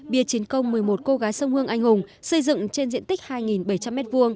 bia chiến công một mươi một cô gái sông hương anh hùng xây dựng trên diện tích hai bảy trăm linh m hai